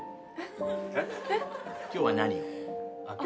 今日は何を？